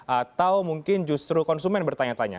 atau mungkin justru konsumen bertanya tanya